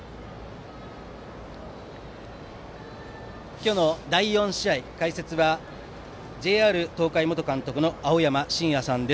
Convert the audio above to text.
今日の第４試合の解説はＪＲ東海元監督の青山眞也さんです。